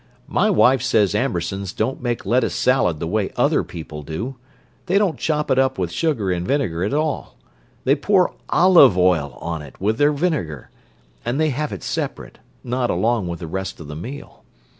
My wife says Ambersons don't make lettuce salad the way other people do; they don't chop it up with sugar and vinegar at all. They pour olive oil on it with their vinegar, and they have it separate—not along with the rest of the meal.